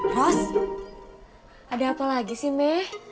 eros ada apa lagi sih meh